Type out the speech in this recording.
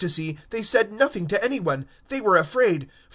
And they said nothing to any one; for they were afraid.